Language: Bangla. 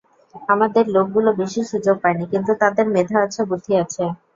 আমাদের লোকগুলো বেশি সুযোগ পায়নি কিন্তু তাদের মেধা আছে, বুদ্ধি আছে।